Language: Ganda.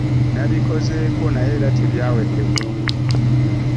Nabikozeeko naye era tebyawedde bulungi.